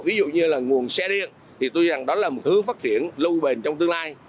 ví dụ như là nguồn xe điện thì tôi rằng đó là một hướng phát triển lưu bền trong tương lai